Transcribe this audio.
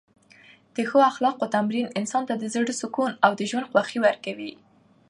د ښو اخلاقو تمرین انسان ته د زړه سکون او د ژوند خوښۍ ورکوي.